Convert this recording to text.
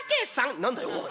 「何だよおい。